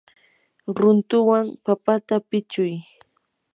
runtuwan papata pichuy.